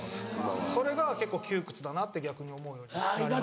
それが結構窮屈だなって逆に思うようになりました。